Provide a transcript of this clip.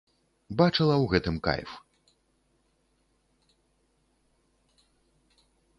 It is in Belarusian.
Бачыла ў гэтым кайф.